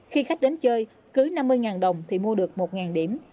khi khách đến chơi cứ năm mươi đồng thì mua được một điểm